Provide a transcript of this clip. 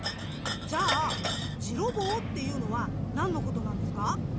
じゃあジロボウっていうのは何のことなんですか？